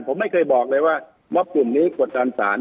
ผมไม่เคยบอกเลยว่าม็อบกลุ่มนี้กดดันสาร